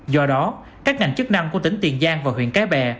do đó các ngành chức năng của tỉnh tiền giang và huyện cái bè